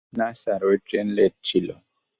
না স্যার, ওই train late ছিলো।